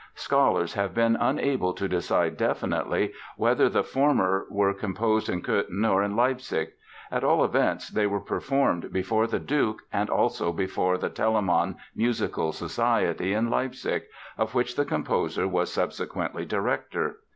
Scholars have been unable to decide definitely whether the former were composed in Cöthen or in Leipzig. At all events they were performed before the Duke and also before the Telemann Musical Society in Leipzig, of which the composer was subsequently director.